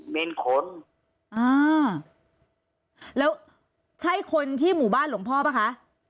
เป็นคนอ่าแล้วใช่คนที่หมู่บ้านหลวงพ่อป่ะคะ